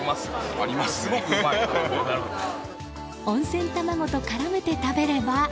温泉卵と絡めて食べれば。